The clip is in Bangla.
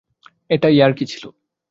এটা ইয়ার্কি ছিল।